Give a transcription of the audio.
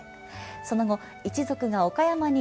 その後一族が岡山に移り